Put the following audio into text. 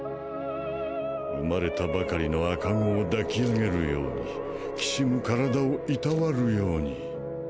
生まれたばかりの赤子を抱き上げるように軋む体を労るように。